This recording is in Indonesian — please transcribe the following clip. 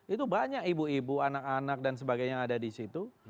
itu banyak ibu ibu anak anak dan sebagainya yang ada di situ